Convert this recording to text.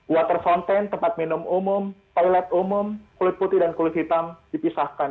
water fountain tempat minum umum toilet umum kulit putih dan kulit hitam dipisahkan